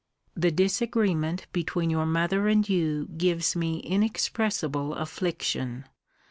The disagreement between your mother and you gives me inexpressible affliction.